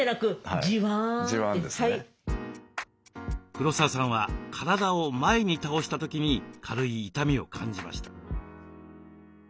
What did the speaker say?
黒沢さんは体を前に倒した時に軽い痛みを感じました。